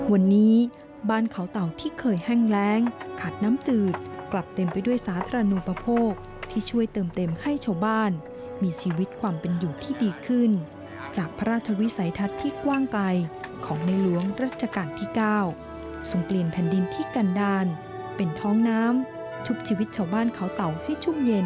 วันนี้บ้านเขาเต่าที่เคยแห้งแรงขัดน้ำจืดกลับเต็มไปด้วยสาธารณูปโภคที่ช่วยเติมเต็มให้ชาวบ้านมีชีวิตความเป็นอยู่ที่ดีขึ้นจากพระราชวิสัยทัศน์ที่กว้างไกลของในหลวงรัชกาลที่๙ทรงเปลี่ยนแผ่นดินที่กันดาลเป็นท้องน้ำชุบชีวิตชาวบ้านเขาเต่าให้ชุ่มเย็น